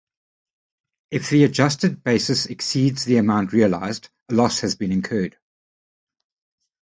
If the adjusted basis exceeds the amount realized, a loss has been incurred.